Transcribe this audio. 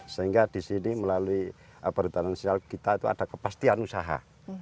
sehingga di sini melalui perhutanan sosial kita itu ada kepastian usaha